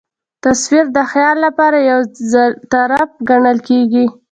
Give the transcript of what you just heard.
تصویر د خیال له پاره یو ظرف ګڼل کېږي.